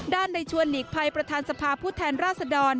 ในชวนหลีกภัยประธานสภาพผู้แทนราษดร